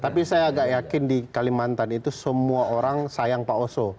tapi saya agak yakin di kalimantan itu semua orang sayang pak oso